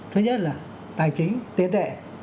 thứ nhất là tài chính tiền tệ